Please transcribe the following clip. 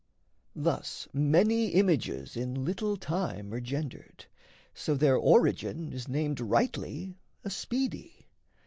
Thus many images in little time Are gendered; so their origin is named Rightly a speedy.